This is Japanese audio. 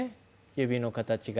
指の形が。